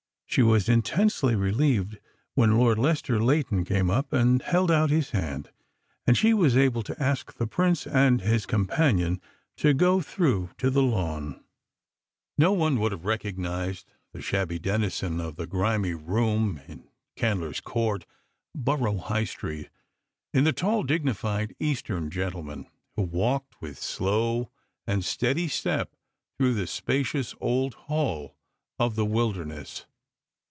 She was intensely relieved when Lord Lester Leighton came up and held out his hand, and she was able to ask the Prince and his companion to go through to the lawn. No one would have recognised the shabby denizen of the grimy room in Candler's Court, Borough High Street, in the tall, dignified Eastern gentleman who walked with slow and stately step through the spacious old hall of "The Wilderness."